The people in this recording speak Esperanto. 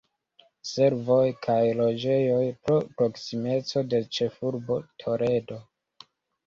Servoj kaj loĝejoj pro proksimeco de ĉefurbo Toledo.